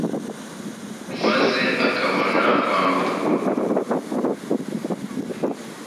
maze akabona kwambuka, kandi nabwo akambuka yihuta,